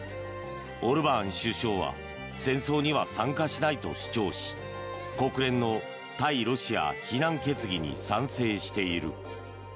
オルバーン首相は戦争には参加しないと主張し国連の対ロシア非難決議に賛成している。